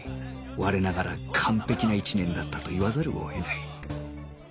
我ながら完璧な１年だったと言わざるを得ない